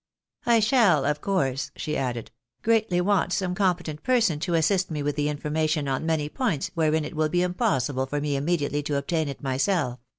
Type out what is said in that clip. " I shall of course," she added, " greatly want some competent person to assist me with information on many points wherein it will be impossible for me immediately to obtain it myself